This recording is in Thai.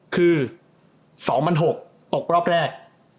คือ๒๐๐๖๐๐ตกรอบแรก